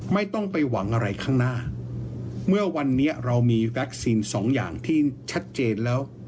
ไม่ต้องไปหวังอะไรข้างหน้าเมื่อวันนี้เรามีวัคซีนสองอย่างที่ชัดเจนแล้ว